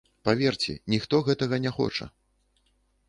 Паверце, ніхто гэтага не хоча.